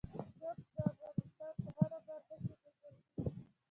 نفت د افغانستان په هره برخه کې موندل کېږي.